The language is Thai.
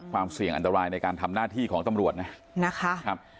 ความเสี่ยงอันตรายในการทำหน้าที่ของตำรวจนะนะคะครับ